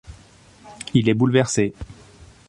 Il est bouleversé.